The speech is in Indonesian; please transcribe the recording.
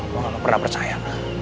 gua nggak pernah percaya